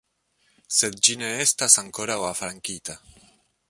Sed ĝi ne estas ankoraŭ afrankita.